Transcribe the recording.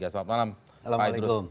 selamat malam waalaikumsalam